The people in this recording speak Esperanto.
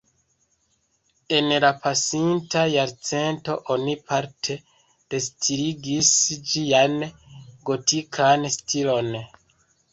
En la pasinta jarcento oni parte restarigis ĝian gotikan stilon.